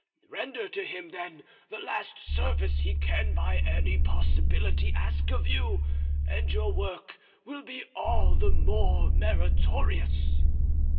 Render to him, then, the last service he can by any possibility ask of you, and your work will be all the more meritorious."